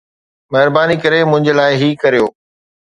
مهرباني ڪري منهنجي لاءِ هي ڪريو